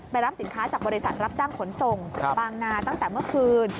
รับสินค้าจากบริษัทรับจ้างขนส่งบางนาตั้งแต่เมื่อคืน